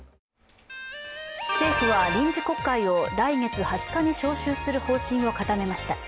政府は臨時国会を来月２０日に召集する方針を固めました。